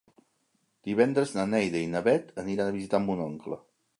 Divendres na Neida i na Bet aniran a visitar mon oncle.